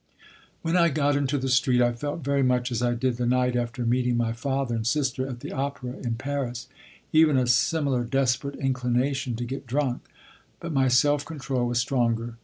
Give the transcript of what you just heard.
When I got into the street, I felt very much as I did the night after meeting my father and sister at the opera in Paris, even a similar desperate inclination to get drunk; but my self control was stronger.